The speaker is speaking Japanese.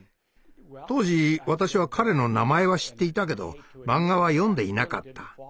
当時私は彼の名前は知っていたけどマンガは読んでいなかった。